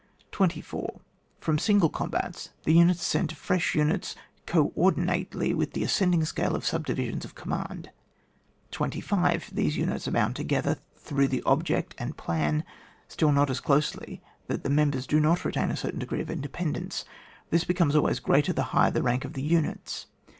24. From single combats the nnits ascend to fresh units co ordinately with the ascending scale of sub divisions of command. 25. These units are bound together through the object and the plan, still not BO closely that the members do not retain a certain degree of independence. This becomes always greater the higher the rank of the units.